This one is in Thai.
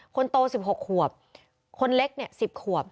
คนโตสิบหกขวบคนเล็กเนี่ยสิบขวบ